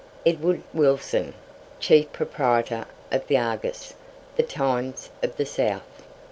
EDWARD WILSON, CHIEF PROPRIETOR OF "THE ARGUS," "THE TIMES" OF THE SOUTH.